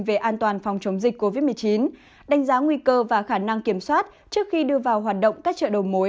về an toàn phòng chống dịch covid một mươi chín đánh giá nguy cơ và khả năng kiểm soát trước khi đưa vào hoạt động các chợ đầu mối